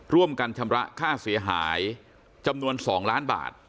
ร่วมกันชำระค่าเสียหายจำนวน๒ล้านบาท